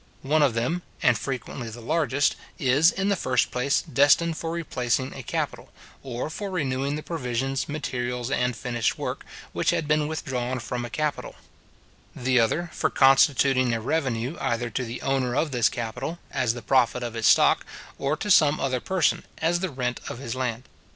One of them, and frequently the largest, is, in the first place, destined for replacing a capital, or for renewing the provisions, materials, and finished work, which had been withdrawn from a capital; the other for constituting a revenue either to the owner of this capital, as the profit of his stock, or to some other person, as the rent of his land.